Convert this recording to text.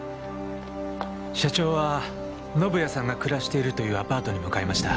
社長は宣也さんが暮らしているというアパートに向かいました。